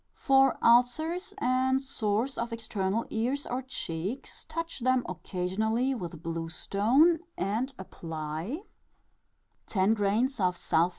For ulcers and sores of external ears or cheeks, touch them occasionally with blue stone, and apply ℞ Sulph.